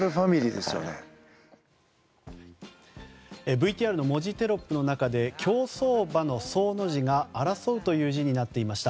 ＶＴＲの文字テロップの中で競走馬の「走」の字が「争」という字になっていました。